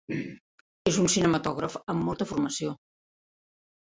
És un cinematògraf amb molta formació.